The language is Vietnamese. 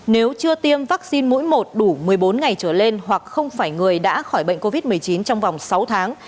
nếu chưa tiêm vaccine mũi một đủ một mươi bốn ngày trở lên hoặc không phải người đã khỏi bệnh covid một mươi chín trong vòng sáu tháng